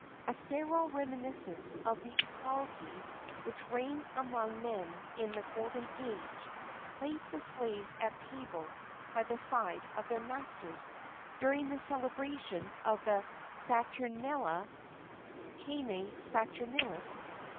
[XXX 21] A sterile reminiscence of the equality which reigned among men in the golden age, placed the slaves at table by the side of their masters, during the celebration of the Saturnalia (cœna Saturnalis).